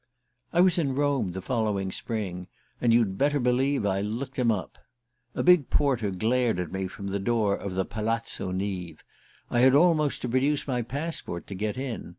I was in Rome the following spring, and you'd better believe I looked him up. A big porter glared at me from the door of the Palazzo Neave: I had almost to produce my passport to get in.